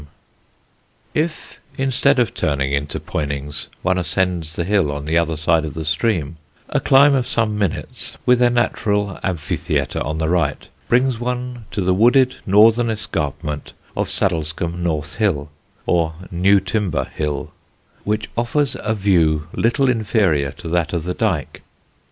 [Sidenote: NEWTIMBER] If, instead of turning into Poynings, one ascends the hill on the other side of the stream, a climb of some minutes, with a natural amphitheatre on the right, brings one to the wooded northern escarpment of Saddlescombe North Hill, or Newtimber Hill, which offers a view little inferior to that of the Dyke.